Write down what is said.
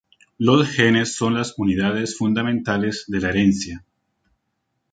Los genes son las unidades fundamentales de la herencia.